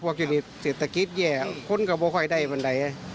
เพราะว่าคนนี้เศรษฐกิจแย่คนก็ไม่ค่อยได้บันได